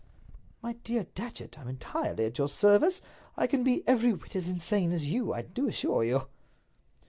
"My dear Datchet, I'm entirely at your service. I can be every whit as insane as you, I do assure you."